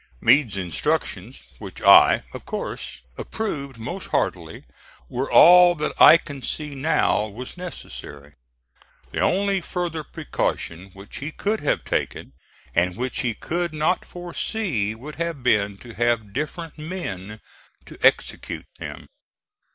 Meade's instructions, which I, of course, approved most heartily, were all that I can see now was necessary. The only further precaution which he could have taken, and which he could not foresee, would have been to have different men to execute them.